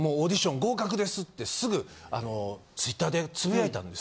ってすぐあのＴｗｉｔｔｅｒでつぶやいたんです。